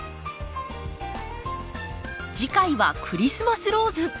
次回はクリスマスローズ。